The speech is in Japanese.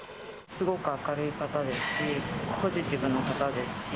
すごく明るい方ですし、ポジティブな方ですし。